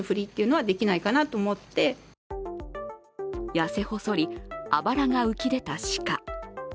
痩せ細り、あばらが浮き出た鹿。